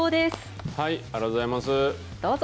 ありがとうございます。